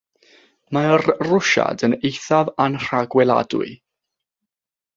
Mae'r Rwsiad yn eithaf anrhagweladwy.